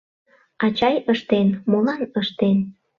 Ачай ыштен, молан ыштен?